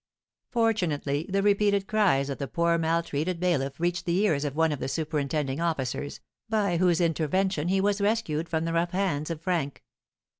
Fortunately, the repeated cries of the poor maltreated bailiff reached the ears of one of the superintending officers, by whose intervention he was rescued from the rough hands of Frank.